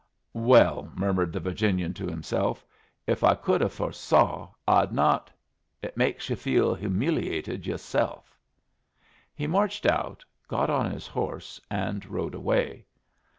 "Well," murmured the Virginian to himself, "if I could have foresaw, I'd not it makes yu' feel humiliated yu'self." He marched out, got on his horse, and rode away.